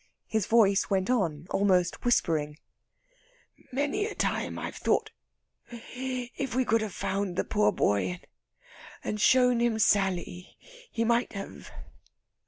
His voice went on, almost whispering: "Many a time I've thought ... if we could have found the poor boy ... and shown him Sally ... he might have